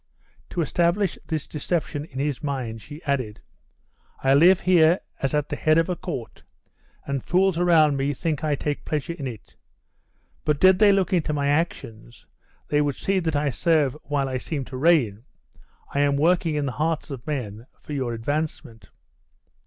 To establish this deception in his mind, she added, "I live here as at the head of a court, and fools around me think I take pleasure in it; but did they look into my actions, they would see that I serve while I seem to reign. I am working in the hearts of men for your advancement."